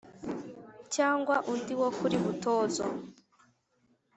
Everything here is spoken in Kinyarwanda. Cyangwa undi wo kuri Butozo